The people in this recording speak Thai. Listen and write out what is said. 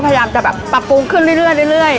ก็พยายามจะแบบปรับปรุงขึ้นเรื่อยเรื่อยเรื่อย